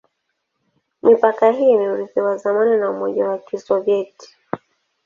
Mipaka hii ni urithi wa zamani za Umoja wa Kisovyeti.